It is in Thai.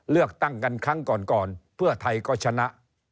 เลือกตั้งกันครั้งก่อนเพื่อไทยก็ชนะ